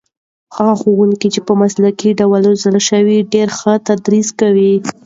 هغه ښوونکي چې په مسلکي ډول روزل شوي ډېر ښه تدریس کوي.